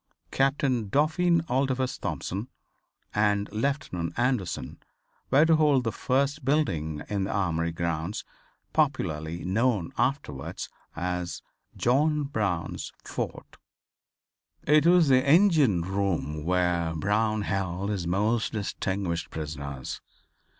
Captain Dauphin Adolphus Thompson and Lieutenant Anderson were to hold the first building in the Armory[6:1] grounds popularly known afterwards as "=John Brown's Fort=." It was the engine house where Brown held his most distinguished prisoners.